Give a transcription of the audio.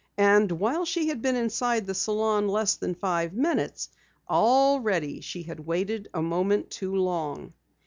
And while she had been inside the salon less than five minutes, already she had waited a moment too long.